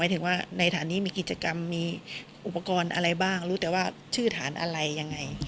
ถึงว่าในฐานนี้มีกิจกรรมมีอุปกรณ์อะไรบ้างรู้แต่ว่าชื่อฐานอะไรยังไง